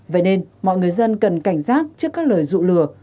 vậy nên mọi người dân cần cảnh giác trước các lời dụ lừa